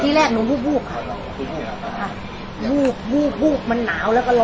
ที่แรกหนูบูบบูบค่ะบูบบูบบูบมันหนาวแล้วก็ร้อน